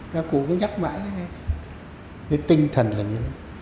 cái cụ cứ nhắc mãi thế cái tinh thần là như thế